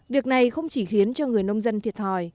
việc này không chỉ khiến cho người nông dân thiệt hỏi